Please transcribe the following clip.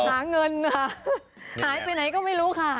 หาเงินค่ะหายไปไหนก็ไม่รู้ค่ะ